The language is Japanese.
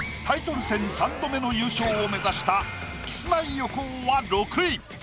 タイトル戦３度目の優勝を目指したキスマイ・横尾は６位。